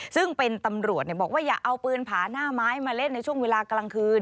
ซึ่งเป็นตำรวจบอกว่าอย่าเอาปืนผาหน้าไม้มาเล่นในช่วงเวลากลางคืน